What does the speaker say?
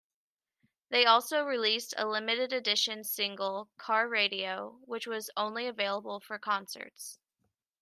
They also released a limited-edition single, "Car Radio", which was only available from concerts.